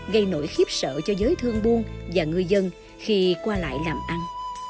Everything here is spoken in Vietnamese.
gây nỗi khiếp sợ cho giới thương buôn và người dân khi qua lại làm ăn